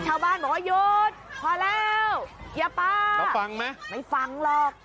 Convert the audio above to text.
ชาวบ้านบอกว่าหยุดพอแล้วอย่าไปฟังไหมไม่ฟังหรอก